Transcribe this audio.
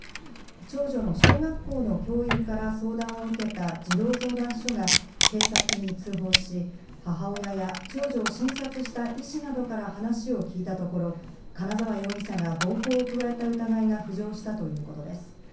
長女の小学校の教員から相談を受けた児童相談所が警察に通報し、母親や長女を診察した医師などから話を聞いたところ、金沢容疑者が暴行を加えた疑いが浮上したということです。